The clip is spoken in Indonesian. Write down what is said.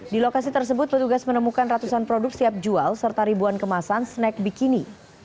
di lokasi tersebut petugas menemukan ratusan produk siap jual serta ribuan kemasan snack bikini